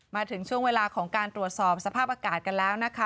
มาถึงช่วงเวลาของการตรวจสอบสภาพอากาศกันแล้วนะคะ